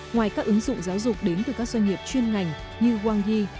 ngoài các ứng dụng giáo dục đến từ các doanh nghiệp chuyên ngành như wang y